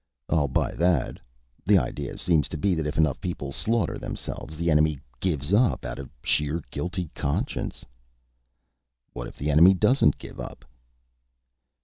"I'll buy that. The idea seems to be that if enough people slaughter themselves, the enemy gives up out of sheer guilty conscience." "What if the enemy doesn't give up?"